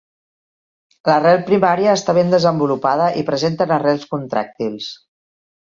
L'arrel primària està ben desenvolupada i presenten arrels contràctils.